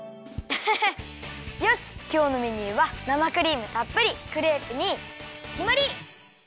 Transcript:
アハハよしきょうのメニューは生クリームたっぷりクレープにきまり！